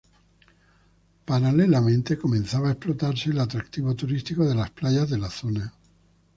Paralelamente, comenzaba a explotarse el atractivo turístico de las playas de la zona.